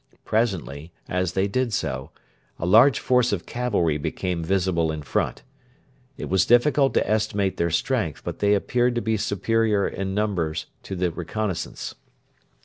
Presently, as they did so, a large force of cavalry became visible in front. It was difficult to estimate their strength, but they appeared to be superior in numbers to the reconnaissance.